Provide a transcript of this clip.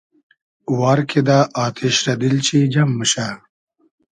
وار کیدۂ آتیش رۂ دیل شی جئم موشۂ